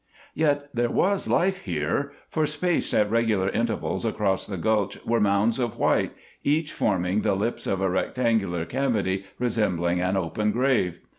Yet there was life here, for spaced at regular intervals across the gulch were mounds of white, each forming the lips of a rectangular cavity resembling an open grave.